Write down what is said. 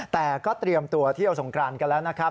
แต่ก็เตรียมตัวเที่ยวสงกรานกันแล้วนะครับ